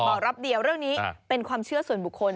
รับเดียวเรื่องนี้เป็นความเชื่อส่วนบุคคล